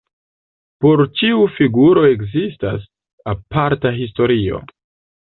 Por ĉiu figuro ekzistas aparta historio.